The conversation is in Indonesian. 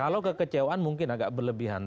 kalau kekecewaan mungkin agak berlebihan